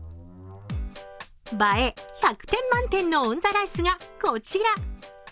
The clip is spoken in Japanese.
映え１００点満点のオンザライスがこちら。